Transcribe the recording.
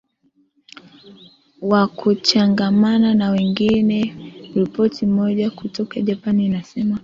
wa kuchangamana na wengine Ripoti moja kutoka Japan inasema